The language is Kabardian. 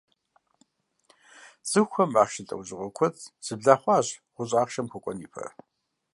Цӏыхухэм «ахъшэ» лӏэужьыгъуэ куэд зэблахъуащ гъущӏ ахъшэм хуэкӏуэн ипэ.